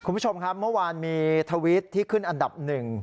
คุณผู้ชมครับเมื่อวานมีทวิตที่ขึ้นอันดับหนึ่ง